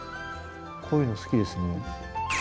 こういうの好きですね。